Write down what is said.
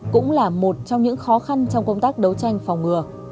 cũng là một trong những khó khăn trong công tác đấu tranh phòng ngừa